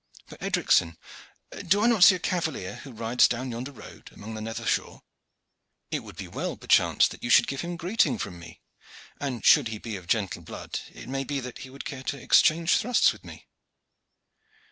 But, Edricson, do I not see a cavalier who rides down yonder road amongst the nether shaw? It would be well, perchance, that you should give him greeting from me. And, should he be of gentle blood it may be that he would care to exchange thrusts with me."